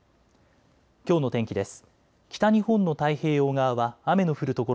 きょうの天気です。